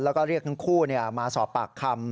แล้วก็เรียกทั้งคู่มาสอบปากคำ